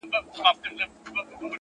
هره تېروتنه د پوهې سرچینه کېدای شي!